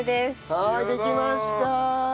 はいできました！